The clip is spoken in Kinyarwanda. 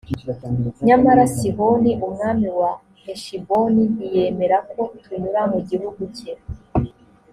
nyamara sihoni umwami wa heshiboni ntiyemera ko tunyura mu gihugu cye